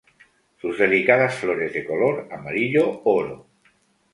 Sus delicadas flores de color amarillo oro.